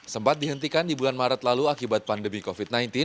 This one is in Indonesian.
sempat dihentikan di bulan maret lalu akibat pandemi covid sembilan belas